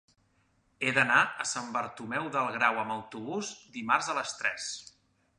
He d'anar a Sant Bartomeu del Grau amb autobús dimarts a les tres.